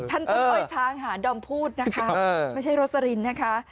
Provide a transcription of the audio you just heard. ท่านต้นอ้อยช้างหาดอมพูดนะคะไม่ใช่โรซารินนะคะ